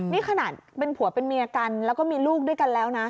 นี่ขนาดเป็นผัวเป็นเมียกันแล้วก็มีลูกด้วยกันแล้วนะ